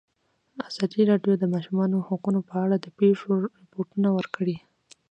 ازادي راډیو د د ماشومانو حقونه په اړه د پېښو رپوټونه ورکړي.